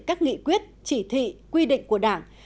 các nghị quyết chỉ thị quy định của đảng